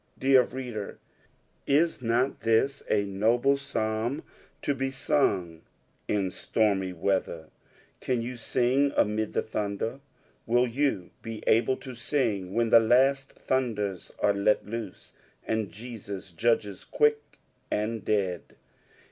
Dear reader, is not this a noble Psalm to be sung in stormy weather ? Can you sing amid the thunder ? Will you be able to sing when the last thunders are let loose, and Jesua judges quick and dead